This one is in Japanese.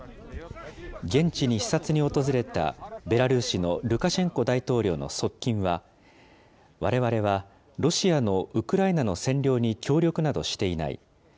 現地に視察に訪れた、ベラルーシのルカシェンコ大統領の側近は、われわれはロシアのウクライナの占領に協力などしていない。